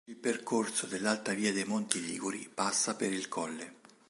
Il percorso dell'Alta via dei Monti Liguri passa per il colle.